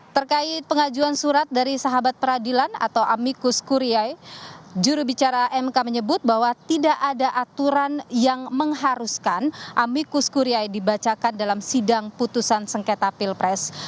terkait pengajuan surat dari sahabat peradilan atau amikus kuriyai jurubicara mk menyebut bahwa tidak ada aturan yang mengharuskan amikus kuryai dibacakan dalam sidang putusan sengketa pilpres